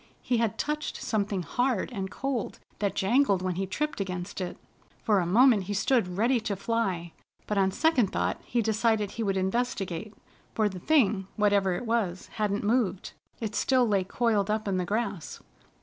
He had touched something hard and cold that jangled when he tripped against it. For a moment he stood ready to fly, but on second thought he decided he would investigate, for the thing, whatever it was, hadn't moved. It still lay coiled up in the grass.